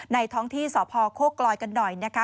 ท้องที่สพโคกลอยกันหน่อยนะคะ